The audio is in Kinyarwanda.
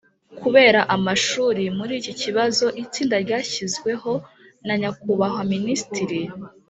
Kubera amashuri muri iki kibazo itsinda ryashyizweho na nyakubahwa minisitiri